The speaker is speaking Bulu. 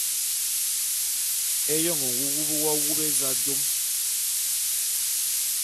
Éyoň nwuwup w’awup éza jom.